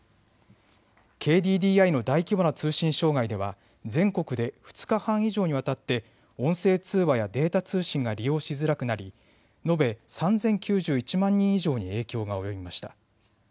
ＫＤＤＩの大規模な通信障害では全国で２日半以上にわたって音声通話やデータ通信が利用しづらくなり、延べ３０９１万人以上に影響が及びました。